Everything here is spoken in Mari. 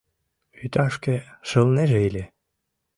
Вӱташке шылнеже ыле.